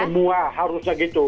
semua harusnya gitu